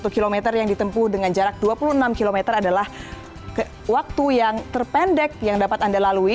satu km yang ditempu dengan jarak dua puluh enam km adalah waktu yang terpendek yang dapat anda lalui